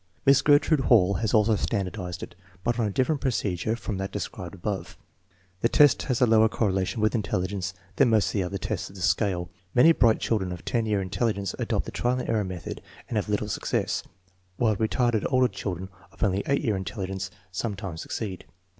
Miss Gertrude Hall has also standardized it, but on a different procedure from that described above. 1 The test has a lower correlation with intelligence than most of the other tests of the scale. Many bright children of 10 year intelligence adopt the trial and error method and have little success, while retarded older children of only 8 year intelligence sometimes succeed.